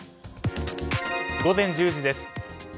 午前１０時です。